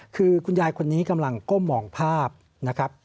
คือคุณยายคนนี้กำลังก้มมองภาพนะครับ